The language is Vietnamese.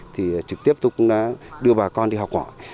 thì trực tiếp tôi cũng đã đưa bà con đi học hỏi